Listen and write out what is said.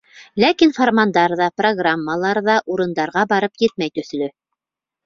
Ләкин фармандар ҙа, программалар ҙа урындарға барып етмәй төҫлө.